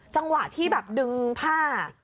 จังหวะที่แบบดึงผ้า